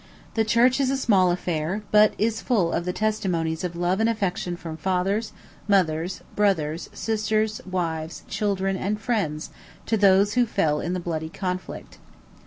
The church is a small affair, but is full of the testimonies of love and affection from fathers, mothers, brothers, sisters, wives, children, and friends, to those who fell in the bloody conflict.